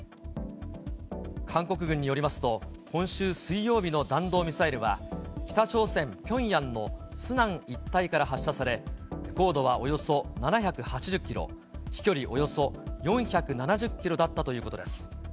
韓国軍によりますと、今週水曜日の弾道ミサイルは、北朝鮮・ピョンヤンのスナン一帯から発射され、高度はおよそ７８０キロ、飛距離およそ４７０キロだったということです。